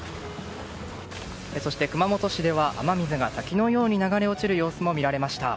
そして、熊本市では雨水が滝のように流れ落ちる様子も見られました。